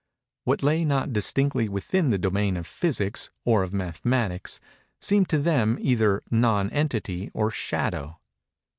What lay not distinctly within the domain of Physics, or of Mathematics, seemed to them either Non Entity or Shadow.